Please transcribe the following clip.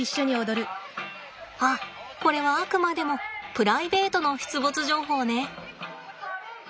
あっこれはあくまでもプライベートの出没情報ね。